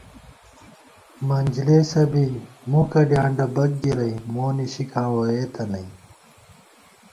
منجِلېسہ بی مُکہ ڈیانڈہ بَک گِرَئی مو نِشِکاں ووئېتہ نئ